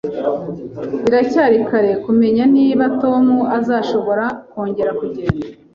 Biracyari kare kumenya niba Tom azashobora kongera kugenda